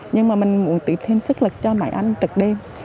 nhưng mà mình muốn tự thêm sức lực cho mấy anh trật đêm